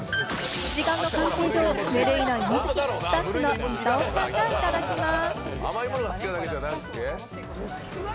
時間の関係上、無類の芋好き、スタッフの伊藤ちゃんがいただきます。